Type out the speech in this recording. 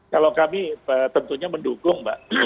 kalau kami tentunya mendukung mbak